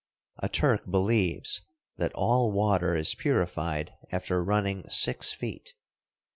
A Turk believes that all water is purified after running six feet.